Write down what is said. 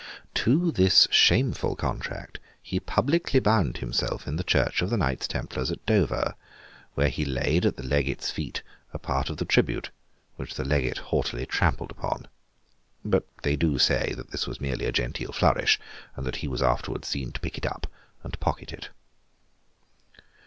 To this shameful contract he publicly bound himself in the church of the Knights Templars at Dover: where he laid at the legate's feet a part of the tribute, which the legate haughtily trampled upon. But they do say, that this was merely a genteel flourish, and that he was afterwards seen to pick it up and pocket it.